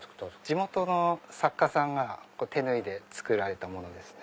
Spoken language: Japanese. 地元の作家さんが手縫いで作られたものですね。